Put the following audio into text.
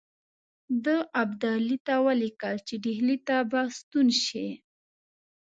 ده ابدالي ته ولیکل چې ډهلي ته به ستون شي.